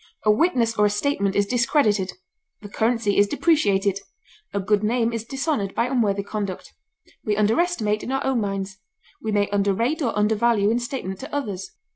A witness or a statement is discredited; the currency is depreciated; a good name is dishonored by unworthy conduct; we underestimate in our own minds; we may underrate or undervalue in statement to others.